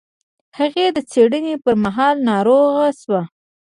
هغې د څېړنې پر مهال ناروغه شوه.